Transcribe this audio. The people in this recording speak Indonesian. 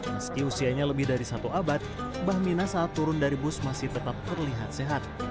meski usianya lebih dari satu abad mbah mina saat turun dari bus masih tetap terlihat sehat